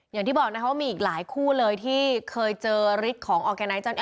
อย่างที่บอกนะครับว่ามีอีกหลายคู่เลยที่เคยเจอฤทธิ์ของออร์แกไนท์